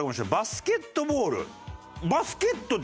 バスケットボール。